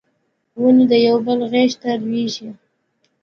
ونې د یو بل غیږ ته لویږي